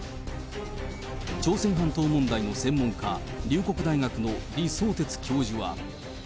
朝鮮半島問題の専門家、龍谷大学の李相哲教授は。